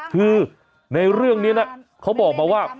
คือในเรื่องนี้นะเขาบอกมาว่า